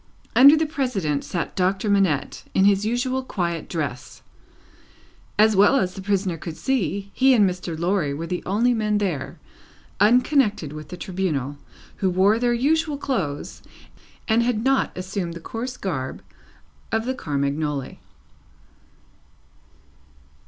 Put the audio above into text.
Under the President sat Doctor Manette, in his usual quiet dress. As well as the prisoner could see, he and Mr. Lorry were the only men there, unconnected with the Tribunal, who wore their usual clothes, and had not assumed the coarse garb of the Carmagnole.